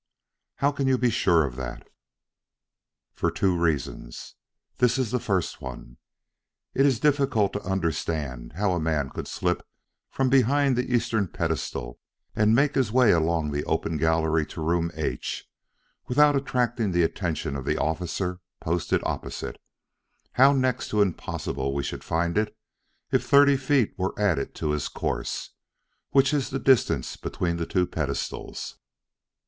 "How can you be sure of that?" "For two reasons. This is the first one: If it is difficult to understand how a man could slip from behind the eastern pedestal and make his way along the open gallery to Room H, without attracting the attention of the officer posted opposite, how next to impossible we should find it, if thirty feet were added to his course which is the distance between the two pedestals!"